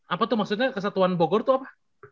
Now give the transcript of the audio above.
apa tuh maksudnya kesatuan bogor itu apa